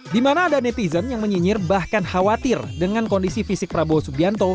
di mana ada netizen yang menyinyir bahkan khawatir dengan kondisi fisik prabowo subianto